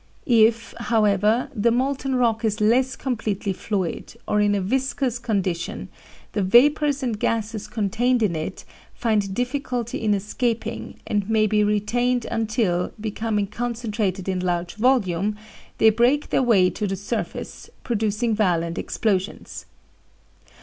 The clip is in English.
If, however, the molten rock is less completely fluid, or in a viscous condition, the vapors and gases contained in it find difficulty in escaping, and may be retained until, becoming concentrated in large volume, they break their way to the surface, producing violent explosions.